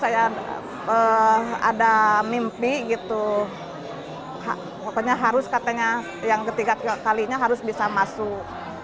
yang ketiga kalinya harus bisa masuk